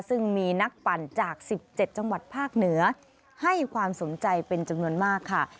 ซึ่งมีนักปั่นจาก๑๗จังหวัดภาคเหนือให้ความสนใจเป็นจำนวนมากค่ะ